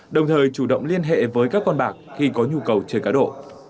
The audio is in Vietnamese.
đồng thời chủ động liên hệ với các con bạc khi có nhu cầu chơi cá độ